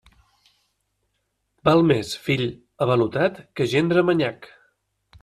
Val més fill avalotat que gendre manyac.